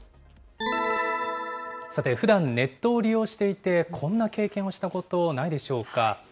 さて、ふだんネットを利用していて、こんな経験をしたことないでしょうか？